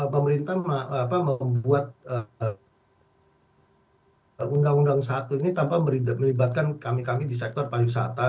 pemerintah membuat undang undang satu ini tanpa melibatkan kami kami di sektor pariwisata